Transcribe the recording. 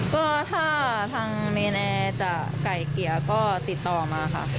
ก็ถ้าทางเมนแอร์จะไก่เกลี่ยก็ติดต่อมาค่ะ